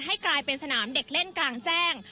กลายเป็นสนามเด็กเล่นกลางแจ้ง